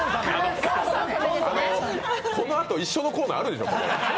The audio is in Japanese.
このあと一緒のコーナーあるでしょ。